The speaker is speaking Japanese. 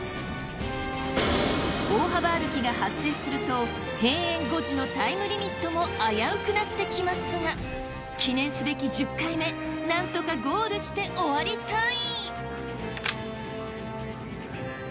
大幅歩きが発生すると閉園５時のタイムリミットも危うくなってきますが記念すべき１０回目なんとかゴールして終わりたい。